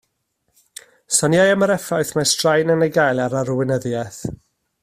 Soniai am yr effaith mae straen yn ei gael ar arweinyddiaeth